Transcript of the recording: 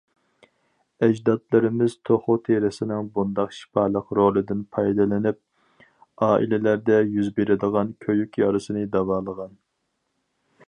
ئەجدادلىرىمىز توخۇ تېرىسىنىڭ بۇنداق شىپالىق رولىدىن پايدىلىنىپ، ئائىلىلەردە يۈز بېرىدىغان كۆيۈك يارىسىنى داۋالىغان.